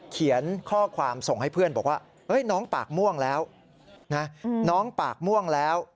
เขียนข้อความส่งให้เพื่อนบอกว่าน้องปากม่วงแล้ว